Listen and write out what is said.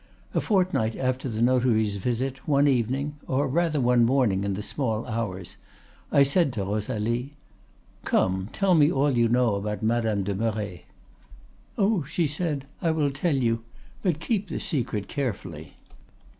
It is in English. A fortnight after the notary's visit, one evening, or rather one morning, in the small hours, I said to Rosalie: "'Come, tell me all you know about Madame de Merret.' "'Oh!' she said, 'I will tell you; but keep the secret carefully.